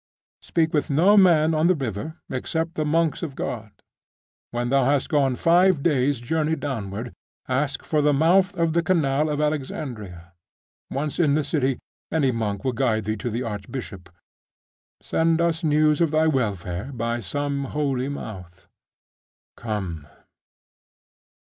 Speak with no man on the river except the monks of God. When thou hast gone five days' journey downward, ask for the mouth of the canal of Alexandria. Once in the city, any monk will guide thee to the archbishop. Send us news of thy welfare by some holy mouth. Come.